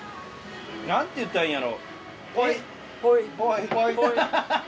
何て言ったらいいんやろ。